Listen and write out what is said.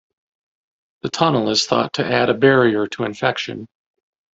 The tunnel is thought to add a barrier to infection.